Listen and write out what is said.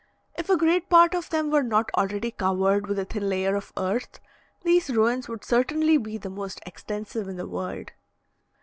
If a great part of them were not already covered with a thin layer of earth, these ruins would certainly be the most extensive in the world.